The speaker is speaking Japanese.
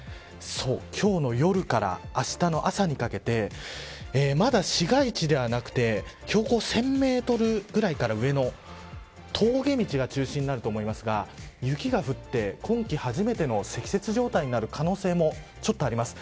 今日の夜からあしたの朝にかけてまだ市街地ではなくて標高１０００メートルぐらいから上の峠道が中心になると思いますが雪が降って今季初めての積雪状態になる可能性もちょっとあります。